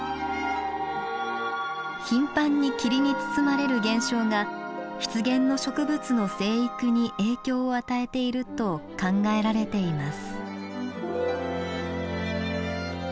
頻繁に霧に包まれる現象が湿原の植物の生育に影響を与えていると考えられています。